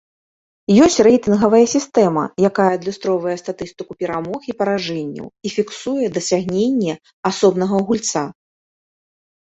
Ёсць рэйтынгавая сістэма, якая адлюстроўвае статыстыку перамог і паражэнняў і фіксуе дасягнення асобнага гульца.